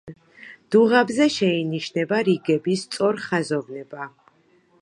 დუღაბზე შეინიშნება რიგების სწორხაზოვნება.